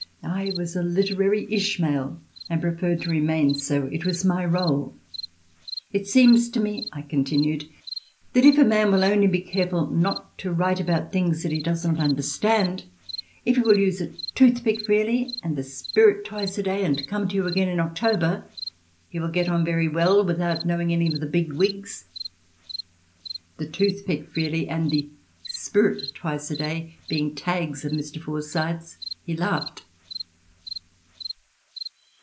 I was a literary Ishmael, and preferred to remain so. It was my rôle. "It seems to me," I continued, "that if a man will only be careful not to write about things that he does not understand, if he will use the tooth pick freely and the spirit twice a day, and come to you again in October, he will get on very well without knowing any of the big wigs." "The tooth pick freely" and "the spirit twice a day" being tags of Mr. Forsyth's, he laughed.